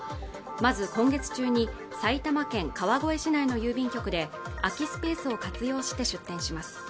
まず今月中に埼玉県川越市内の郵便局で空きスペースを活用して出店します